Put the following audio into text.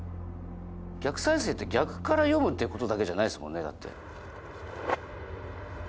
逆再生って逆から読むっていうことだけじゃないですもんねだって。